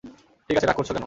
ঠিক আছে, রাগ করছো কেন?